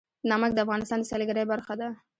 نمک د افغانستان د سیلګرۍ برخه ده.